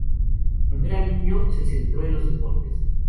Cuando era niño, se centró en los deportes.